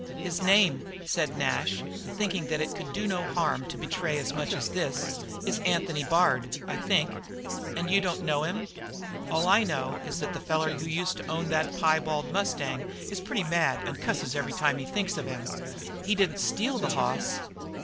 "His name," said Nash, thinking that it could do no harm to betray as much as this, "is Anthony Bard, I think." "And you don't know him?" "All I know is that the feller who used to own that piebald mustang is pretty mad and cusses every time he thinks of him." "He didn't steal the hoss?"